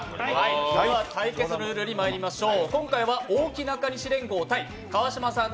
では、対決ルールにまいりましょう。